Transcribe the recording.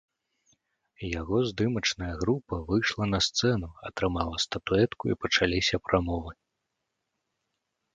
Яго здымачная група выйшла на сцэну, атрымала статуэтку і пачаліся прамовы.